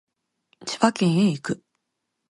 千葉県へ行く